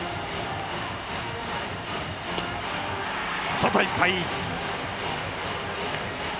外いっぱい！